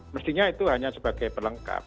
mestinya itu hanya sebagai perlengkap